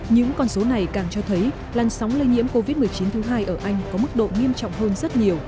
những con số này càng cho thấy làn sóng lây nhiễm covid một mươi chín thứ hai ở anh có mức độ nghiêm trọng hơn rất nhiều